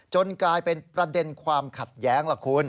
กลายเป็นประเด็นความขัดแย้งล่ะคุณ